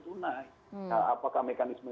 tunai nah apakah mekanisme